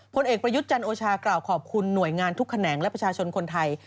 ผลเอกประยุทธ์จันโอชากล่าวขอบคุณหน่วยงานทุกแขนงและประชาชนคนไทย